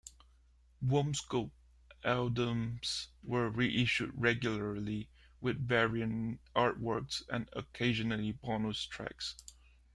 Wumpscut albums were reissued regularly with variant artworks and occasionally bonus tracks.